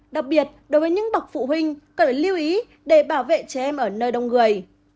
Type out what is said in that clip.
đặc biệt đối với những bậc phụ huynh cần lưu ý để bảo vệ trẻ em ở nơi đông người